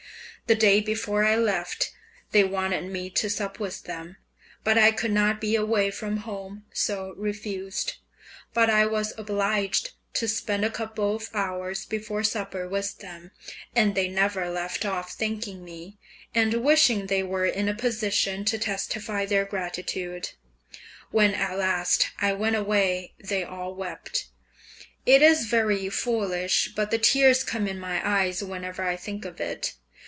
The day before I left they wanted me to sup with them, but I could not be away from home, so refused. But I was obliged to spend a couple of hours before supper with them, and they never left off thanking me, and wishing they were in a position to testify their gratitude. When at last I went away they all wept. It is very foolish, but the tears come in my eyes whenever I think of it.